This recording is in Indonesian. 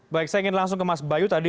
baik saya ingin langsung ke mas bayu tadi